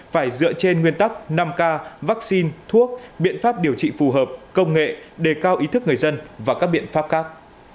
phải dựa trên nguyên tắc năm k vaccine thuốc biện pháp điều trị phù hợp công nghệ đề cao ý thức người dân và các biện pháp khác